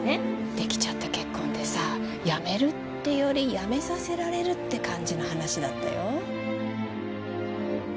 できちゃった結婚でさ辞めるっていうより辞めさせられるって感じの話だったよ